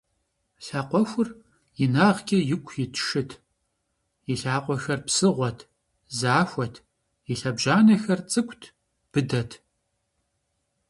Лъакъуэхур инагъкӀэ ику ит шыт: и лъакъуэхэр псыгъуэт, захуэт, и лъэбжьанэхэр цӀыкӀут, быдэт.